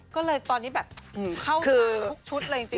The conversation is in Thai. ก็เลยตอนนี้แบบเข้ามาทุกชุดเลยจริง